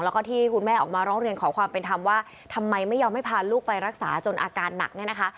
แล้วก็ที่คุณแม่ออกมาร้องเรียนขอความเป็นธรรมว่าทำไมไม่ยอมให้พาลูกไปรักษาจนอาการหนักเนี่ยนะคะ